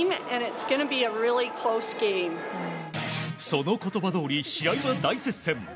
その言葉どおり試合は大接戦。